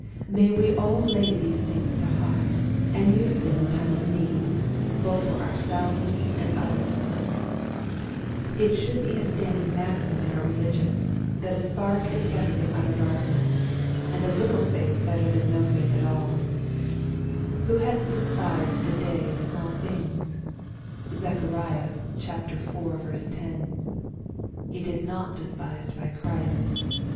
May we all lay these things to heart, and use them in time of need, both for ourselves and others. It should 196 EXPOSITOBT THOUGHTS. be a standing maxim in oar religion, that a spark in better than utter darkness, and little faith better than no faith at alL '^ Who hath despised the day of smaU things ? (Zechar. iv. 10.) It is not despised by Ohrist.